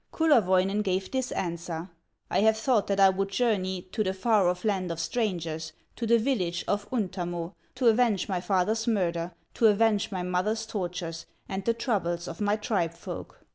Kullerwoinen gave this answer: "I have thought that I would journey To the far off land of strangers, To the village of Untamo, To avenge my father's murder, To avenge my mother's tortures, And the troubles of my tribe folk."